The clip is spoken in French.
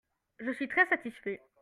Je suis très satisfait.